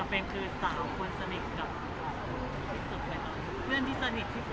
เป็นคือสาวควรสนิทกับเพื่อนที่สนิทที่สุดครับ